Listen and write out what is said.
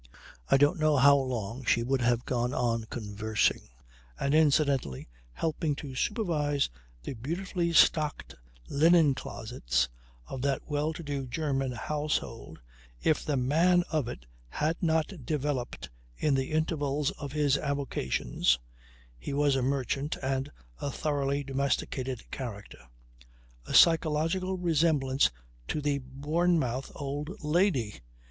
I don't know how long she would have gone on "conversing" and, incidentally, helping to supervise the beautifully stocked linen closets of that well to do German household, if the man of it had not developed in the intervals of his avocations (he was a merchant and a thoroughly domesticated character) a psychological resemblance to the Bournemouth old lady.